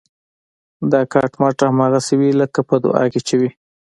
دا کټ مټ هماغسې وي لکه په دعا کې چې وي.